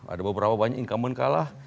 ada beberapa banyak incumbent kalah